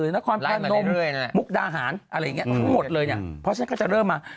นครพนมมุกดาหารอะไรอย่างเงี้ทั้งหมดเลยเนี่ยเพราะฉะนั้นก็จะเริ่มมา